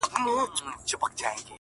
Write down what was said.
• پلار چوپتيا کي مات ښکاري..